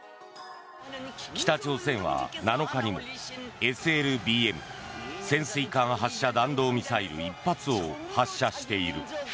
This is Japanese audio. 北朝鮮は７日にもＳＬＢＭ・潜水艦発射弾道ミサイル１発を発射している。